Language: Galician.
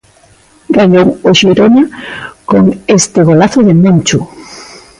Gañou o Xirona con este golazo de Monchu.